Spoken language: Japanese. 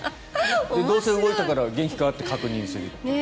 どうせ動いたから元気かと確認する。